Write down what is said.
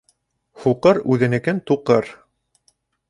Һуҡыр үҙенекен туҡыр.